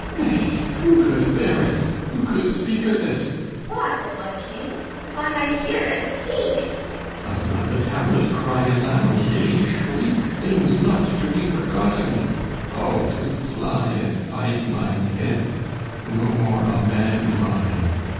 Nay, who could bear it, who could speak of it? LEADER What, O my King? If I may hear it, speak! THESEUS Doth not the tablet cry aloud, yea, shriek, Things not to be forgotten? Oh, to fly And hide mine head! No more a man am I.